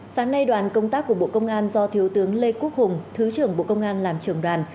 sáng nay đoàn công tác của bộ công an do thiếu tướng lê quốc hùng thứ trưởng bộ công an làm trưởng đoàn